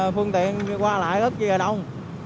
phương tiện qua lại rất là đông